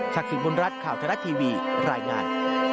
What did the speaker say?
ชักษิบุญรัติข่าวทรัฐทีวีรายงาน